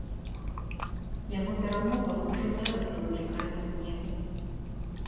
Яго перамога ўжо зараз не выклікае сумневу.